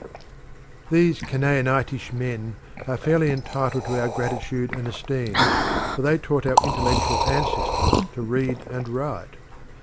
These Canaanitish men are fairly entitled to our gratitude and esteem, for they taught our intellectual ancestors to read and write.